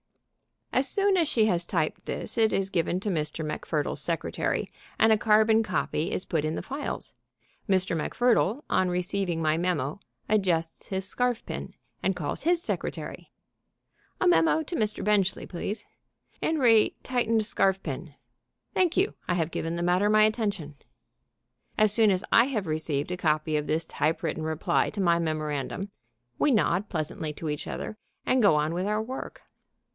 As soon as she has typed this it is given to Mr. MacFurdle's secretary, and a carbon copy is put in the files. Mr. MacFurdle, on receiving my memo, adjusts his scarfpin and calls his secretary. "A memo to Mr. Benchley, please. In re Tightened Scarfpin. Thank you. I have given the matter my attention." As soon as I have received a copy of this typewritten reply to my memorandum we nod pleasantly to each other and go on with our work.